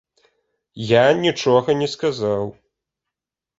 Я нічога не сказаў.